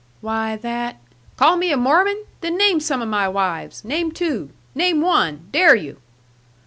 "Why, that " "Call me a Mormon? Then name some of my wives. Name two. Name one. Dare you!"